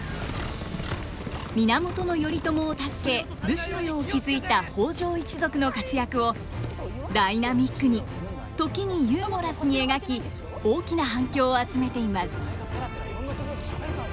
源頼朝を助け武士の世を築いた北条一族の活躍をダイナミックに時にユーモラスに描き大きな反響を集めています。